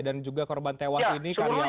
juga korban tewas ini karyawan